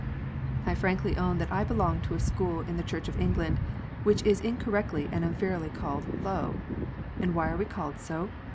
I frankly own that I belong to a school in the Church of England, which is incorrectly and unfairly called "low." And why are we called so